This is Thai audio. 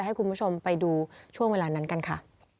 ให้คุณผู้ชมไปดูช่วงเวลานั้นกันค่ะ